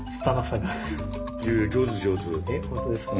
えっ本当ですか？